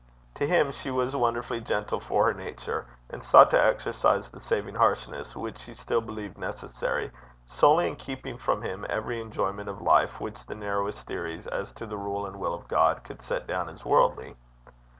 To him she was wonderfully gentle for her nature, and sought to exercise the saving harshness which she still believed necessary, solely in keeping from him every enjoyment of life which the narrowest theories as to the rule and will of God could set down as worldly.